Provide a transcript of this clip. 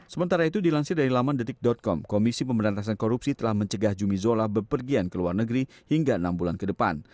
sementara itu dilansir dari laman detik com komisi pemberantasan korupsi telah mencegah jumizola berpergian ke luar negeri hingga enam bulan ke depan